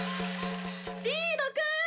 「リードくん！